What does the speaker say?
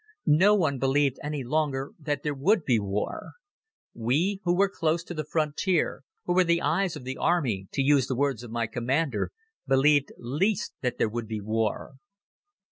No one believed any longer that there would be war. We, who were close to the frontier, who were "the eyes of the Army," to use the words of my Commander, believed least that there would be war.